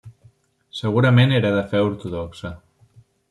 Segurament era de fe ortodoxa.